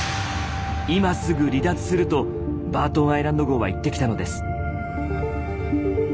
今すぐ離脱する」と「バートンアイランド号」は言ってきたのです。